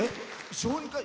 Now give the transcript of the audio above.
小児科医。